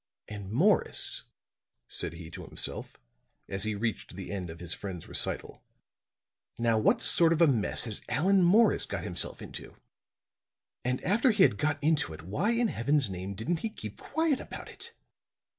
"And Morris," said he to himself, as he reached the end of his friend's recital; "now what sort of a mess has Allan Morris got himself into? And after he had got into it, why in heaven's name didn't he keep quiet about it?